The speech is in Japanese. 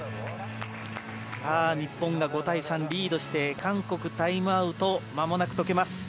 日本が５対３リードして韓国タイムアウトまもなく解けます。